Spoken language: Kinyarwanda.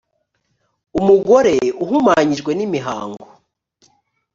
umugore uhumanyijwe n’imihango